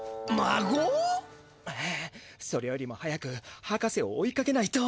ああそれよりも早くはかせを追いかけないと！